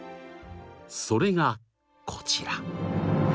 それがこちら！